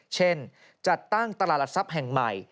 จัดตั้งตลาดหลักทรัพย์แห่งใหม่